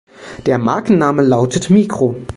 Der Markenname lautet "Micro".